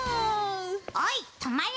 ・おいとまれ！